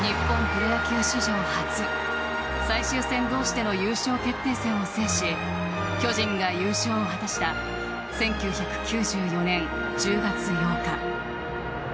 プロ野球史上初最終戦同士での優勝決定戦を制し巨人が優勝を果たした１９９４年１０月８日。